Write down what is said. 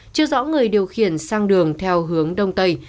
chưa rõ người điều khiển sang đường theo hướng đông tây